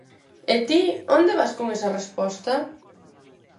_E ti, ¿onde vas con esa resposta?